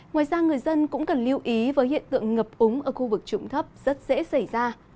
ngoài ra người dân cũng cần lưu ý với hiện tượng ngập úng ở khu vực trụng thấp rất dễ xảy ra